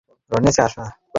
অহ, বোহ, নিম্নপক্ষে।